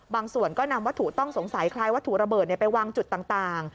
ส่วนก็นำวัตถุต้องสงสัยคล้ายวัตถุระเบิดไปวางจุดต่าง